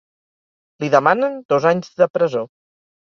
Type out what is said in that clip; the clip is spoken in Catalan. Li demanen dos anys de presó.